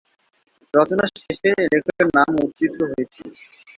রচনার শেষে লেখকের নাম মুদ্রিত হয়েছিল।